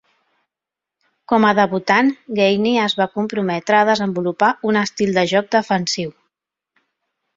Com a debutant, Gainey es va comprometre a desenvolupar un estil de joc defensiu.